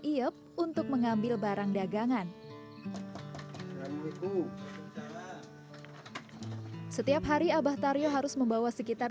iyep untuk mengambil barang dagangan setiap hari abah taryo harus membawa sekitar tiga ratus